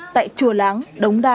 tại chùa láng đống đa